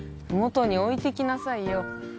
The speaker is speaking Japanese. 麓に置いてきなさいよ。